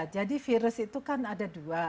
jadi virus itu kan ada dua